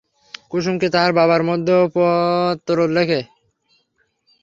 কুসুমকে তাহার বাবা মধ্যে মধ্যে পত্র লেখে।